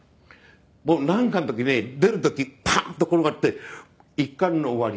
もうなんかの時ね出る時パンッと転がって一巻の終わり。